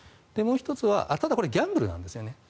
もう１つは、ただこれギャンブルなんですよね。